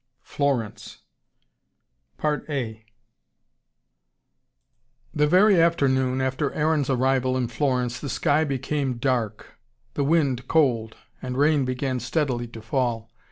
FLORENCE The very afternoon after Aaron's arrival in Florence the sky became dark, the wind cold, and rain began steadily to fall.